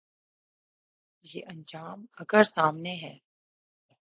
یہ انجام اگر سامنے ہے۔